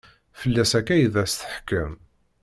Fell-as akka i d as-teḥkem.